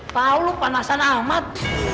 tahu lu panasan ahmad